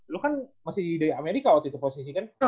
lo kan masih di amerika waktu itu posisi kan